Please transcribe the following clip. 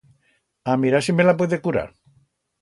A mirar si me la puede curar.